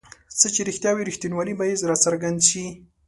څه چې رښتیا وي رښتینوالی به یې راڅرګند شي.